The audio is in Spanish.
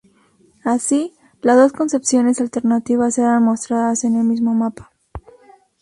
Así, las dos concepciones alternativas eran mostradas en el mismo mapa.